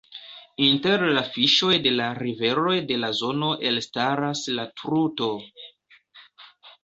Inter la fiŝoj de la riveroj de la zono elstaras la Truto.